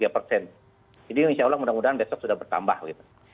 jadi insya allah mudah mudahan besok sudah bertambah gitu